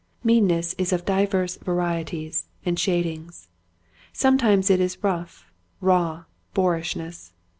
Meanness is of divers varieties and shadings. Sometimes it is rough, raw boorishness.